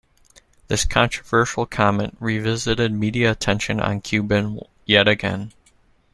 This controversial comment revisited media attention on Cuban yet again.